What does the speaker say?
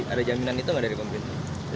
ada jaminan itu nggak dari pemerintah